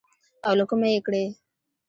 او له کومه يې کړې.